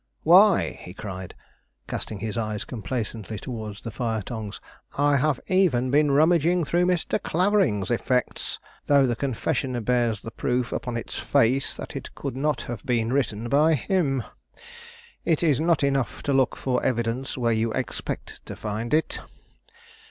Why," he cried, casting his eyes complacently towards the fire tongs, "I have even been rummaging through Mr. Clavering's effects, though the confession bears the proof upon its face that it could not have been written by him. It is not enough to look for evidence where you expect to find it.